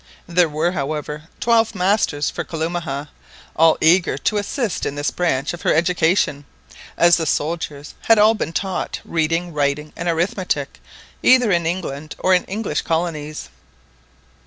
There were, however, twelve masters for Kalumah, all eager to assist in this branch of her education, as the soldiers had all been taught reading, writing, and arithmetic either in England or in English colonies.